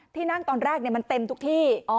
ที่นั่งตอนแรกมันเต็มทุกที่